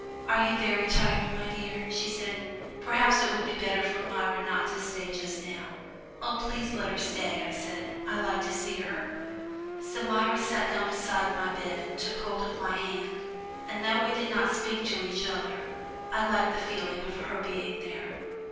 "Are you very tired, my dear?" she said. "Perhaps it would be better for Myra not to stay just now." "Oh, please let her stay," I said; "I like to see her." So Myra sat down beside my bed and took hold of my hand, and though we did not speak to each other, I liked the feeling of her being there. Mrs.